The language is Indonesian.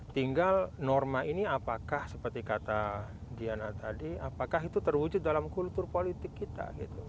tinggal norma ini apakah seperti kata diana tadi apakah itu terwujud dalam kultur politik kita